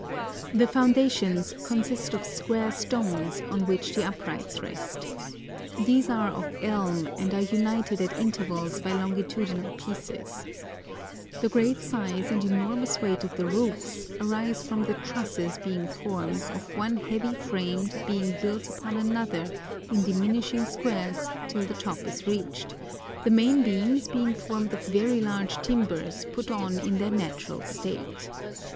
The foundations consist of square stones on which the uprights rest. These are of elm, and are united at intervals by longitudinal pieces. The great size and enormous weight of the roofs arise from the trusses being formed of one heavy frame being built upon another in diminishing squares till the top is reached, the main beams being formed of very large timbers put on in their natural state.